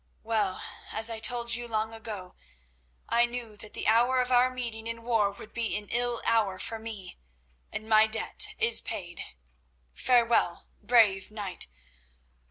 Well, as I told you long ago, I knew that the hour of our meeting in war would be an ill hour for me, and my debt is paid. Farewell, brave knight.